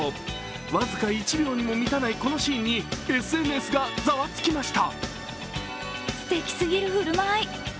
僅か１秒にも満たないこのシーンにＳＮＳがざわつきました。